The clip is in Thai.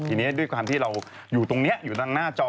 ทีนี้ด้วยความที่เราอยู่ตรงนี้อยู่ทางหน้าจอ